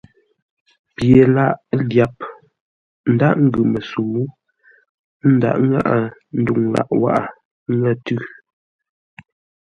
Pye lâʼ lyap ńdághʼ ńgʉ məsəu, ə́ ndaghʼ ŋáʼa ndwuŋ lâʼ wághʼə ńŋə̂ tʉ́.